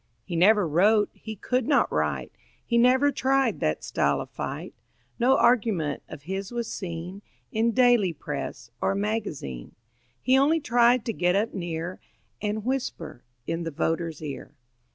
He never wrote; he could not write; He never tried that style of fight. No argument of his was seen In daily press or magazine. He only tried to get up near And whisper in the voter's ear.